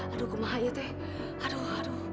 aduh kemah aja teh aduh aduh